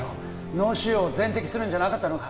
脳腫瘍を全摘するんじゃなかったのか？